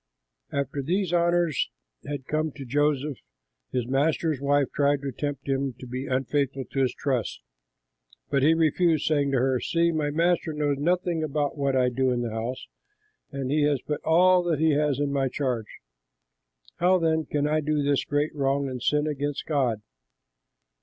After these honors had come to Joseph, his master's wife tried to tempt him to be unfaithful to his trust. But he refused, saying to her, "See, my master knows nothing about what I do in the house, and he has put all that he has in my charge. How then can I do this great wrong and sin against God?"